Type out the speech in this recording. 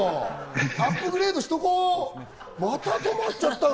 アップグレードしとこう？また止まっちゃったの？